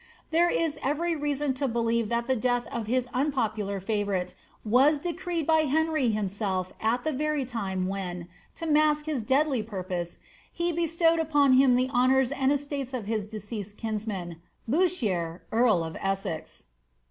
There is every reason to believe that the death of his unpopular favourite w» decrf^ by Henry himself at the very lime when, lo mask liis (Indly purpose, he bestowed upon him the honours and estates of his ibeeMet} kinsman, Bouchier, earl of Essex.